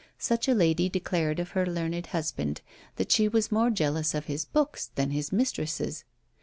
Such a lady declared of her learned husband, that she was more jealous of his books than his mistresses.